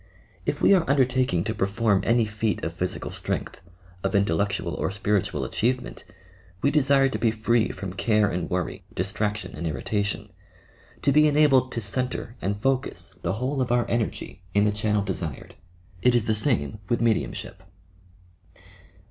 If we are undertaking to perform any feat of physical strength, of intellectual or spiritual achievement, we desire to be free from care and worry, distraction and irritation — to be enabled to centre and focus the whole of our energy in the channel desired. It is the same with tcediumship.